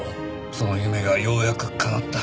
その夢がようやくかなった。